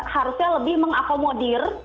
harusnya lebih mengakomodir